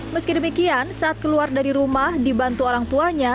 meski demikian saat keluar dari rumah dibantu orang tuanya